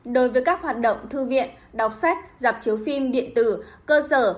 đối với các hoạt động thư viện đọc sách giảm chiếu phim điện tử cơ sở